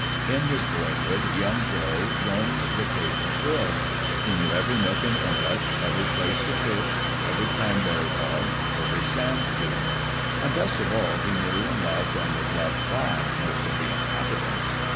In his boyliood young Joe roamed the Cape at will. He knew every nook and inlet, every place to fish, every cran berr_y bog, every sand dune. And best of all he knew and loved and was loved by most of the inhabitants.